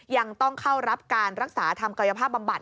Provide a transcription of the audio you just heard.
ยังต้องเข้ารับการรักษาทำกายภาพบำบัด